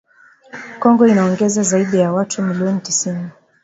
Kongo inaongeza zaidi ya watu milioni tisini